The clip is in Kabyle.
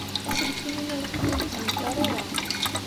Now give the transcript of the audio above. Aselkim-inu yeqqel ur yettenkar ara.